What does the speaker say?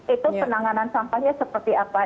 itu penanganan sampahnya seperti apa